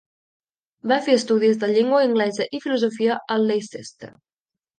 Va fer estudis de llengua anglesa i filosofia a Leicester.